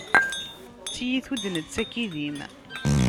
D tiyita ur d-nettak idim.